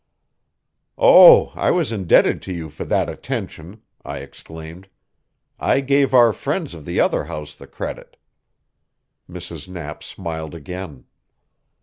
"Oh, I was indebted to you for that attention," I exclaimed. "I gave our friends of the other house the credit." Mrs. Knapp smiled again.